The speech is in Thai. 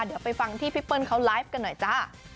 เดี๋ยวไปฟังที่พี่เปิ้ลเขาไลฟ์กันหน่อยจ้า